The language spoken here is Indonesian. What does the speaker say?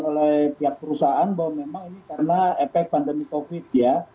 oleh pihak perusahaan bahwa memang ini karena efek pandemi covid ya